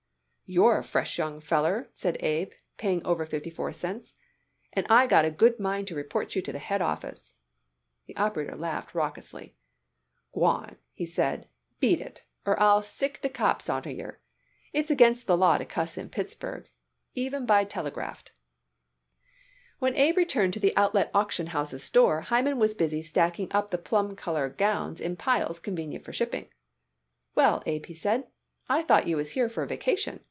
"You're a fresh young feller," said Abe, paying over fifty four cents, "and I got a good mind to report you to the head office." The operator laughed raucously. "G'wan!" he said. "Beat it, or I'll sick de cops onter yer. It's agin the law to cuss in Pittsburgh, even by telegraft." When Abe returned to the Outlet Auction House's store Hyman was busy stacking up the plum color gowns in piles convenient for shipping. "Well, Abe," he said, "I thought you was here for a vacation.